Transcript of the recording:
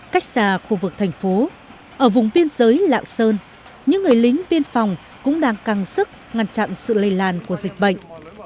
cách xa khu vực thành phố ở vùng biên giới lạng sơn những người lính biên phòng cũng đang căng sức ngăn chặn sự lây lan của dịch bệnh